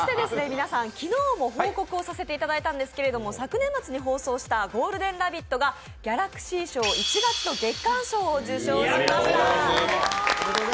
皆さん、昨日も報告させていただいたんですけれども、昨年末に放送した「ゴールデンラヴィット！」がギャラクシー賞、１月の月間賞を受賞しました。